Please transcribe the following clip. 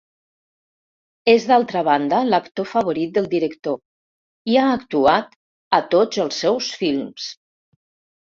És d'altra banda l'actor favorit del director, i ha actuat a tots els seus films.